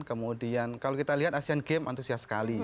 kemudian kalau kita lihat asian game antusias sekali